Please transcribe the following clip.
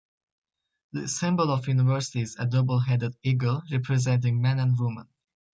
The symbol of the university is a double-headed eagle, representing men and women.